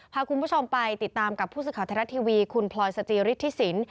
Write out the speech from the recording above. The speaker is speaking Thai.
พาคุณผู้ชมไปติดตามกับผู้สื่อข่าวไทยรัฐทีวีคุณพลอยสจิฤทธิสิน